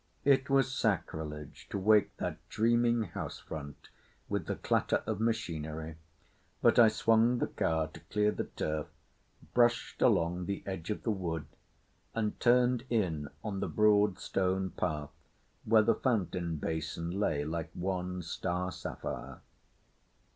It was sacrilege to wake that dreaming house front with the clatter of machinery, but I swung the car to clear the turf, brushed along the edge of the wood and turned in on the broad stone path where the fountain basin lay like one star sapphire.